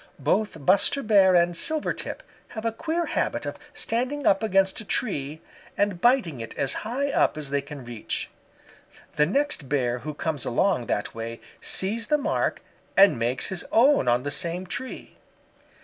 Both Buster Bear and Silvertip have a queer habit of standing up against a tree and biting it as high up as they can reach. The next Bear who comes along that way sees the mark and makes his own on the same tree.